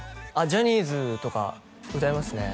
ジャニーズとか歌いますね